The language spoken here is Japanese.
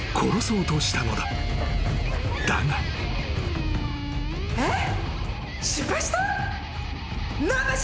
［だが］えっ？